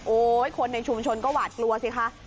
คนในชุมชนก็หวาดกลัวสิคะ